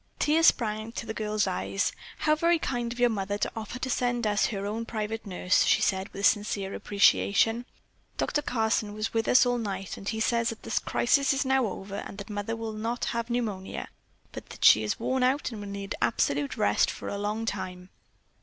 Tears sprang to the girl's eyes. "How very kind of your mother to offer to send us her own private nurse," she said with sincere appreciation. "Dr. Carson was with us all night, and he says that the crisis is now over and that Mother will not have pneumonia, but that she is worn out and will need absolute rest for a long time.